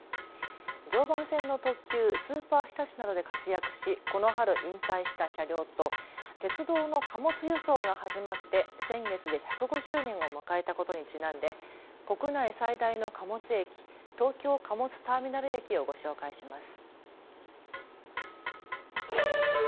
常磐線の特急スーパーひたちなどで活躍しこの春、引退した車両と鉄道の貨物輸送が始まって先月で１５０年を迎えたことにちなんで国内最大の貨物駅、東京貨物ターミナル駅をご紹介します。